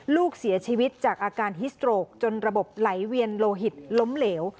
ลูกเสียชีวิตจากอาการฮิสโตรกจนระบบไหลเวียนโลหิตล้มเหลว